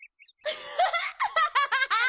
アハハハハ！